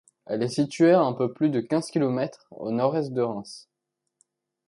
Elle est située à un peu plus de quinze kilomètres au nord-est de Reims.